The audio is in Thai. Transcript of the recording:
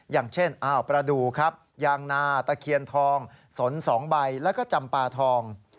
อย่างเช่นอ้าวประดูกครับยางนาตะเคียนทองสน๒ใบแล้วก็จำปลาทอง